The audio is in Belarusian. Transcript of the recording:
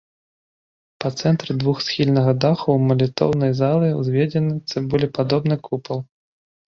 Па цэнтры двухсхільнага даху малітоўнай залы ўзведзены цыбулепадобны купал.